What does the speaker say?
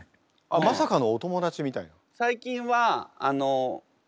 まさかのお友達みたいなんですか？